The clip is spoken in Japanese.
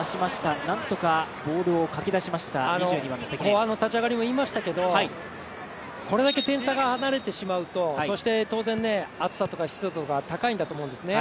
後半の立ち上がりも言いましたけどこれだけ点差が離れてしまうと暑さとか湿度とか高いんだと思うんですね。